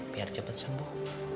biar cepat sembuh